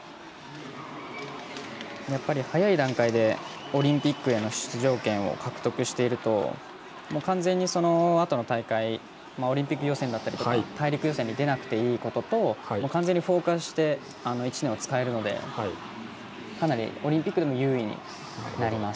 やっぱり早い段階でオリンピックへの出場権を獲得していると完全に、そのあとの大会オリンピック予選だったり大陸予選に出なくていいことと完全にフォーカスして１年を使えるのでかなりオリンピックでも有利になります。